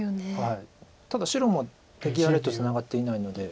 ただ白も出切られるとツナがっていないので。